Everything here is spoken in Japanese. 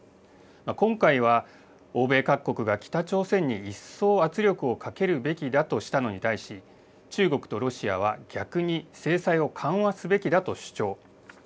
今回は欧米各国が北朝鮮に一層圧力をかけるべきだとしたのに対し、中国とロシアは逆に制裁を緩和すべきだと主張。